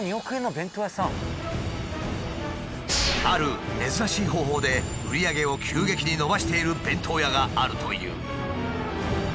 ある珍しい方法で売り上げを急激に伸ばしている弁当屋があるという。